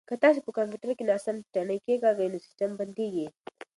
که تاسي په کمپیوټر کې ناسم تڼۍ کېکاږئ نو سیسټم بندیږي.